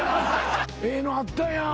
ええのあったやん。